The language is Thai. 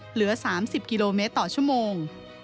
เหลือ๓๐กิโลเมตรต่อชั่วโมง